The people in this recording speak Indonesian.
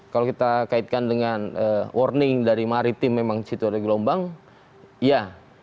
kalau kita kaitkan dengan warning dari maritim memang situ ada gelombang ya